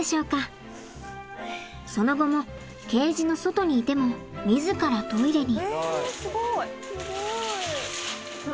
その後もケージの外にいても自らトイレに。